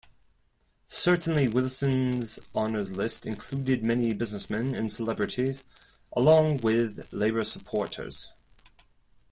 Certainly Wilson's honours list included many businessmen and celebrities, along with Labour supporters.